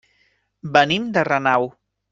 Venim de Renau.